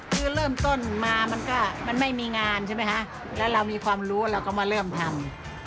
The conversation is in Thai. คือเริ่มต้นมามันก็มันไม่มีงานใช่ไหมคะแล้วเรามีความรู้เราก็มาเริ่มทำ